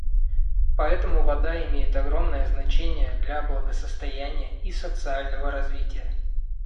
Поэтому вода имеет огромное значение для благосостояния и социального развития.